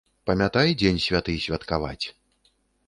Памятай дзень святы святкаваць.